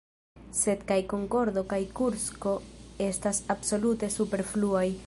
Sed kaj Konkordo kaj Kursko estas absolute superfluaj.